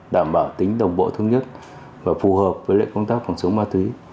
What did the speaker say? đảm bảo tính đồng bộ thương nhất và phù hợp với lệnh công tác phòng chống ma túy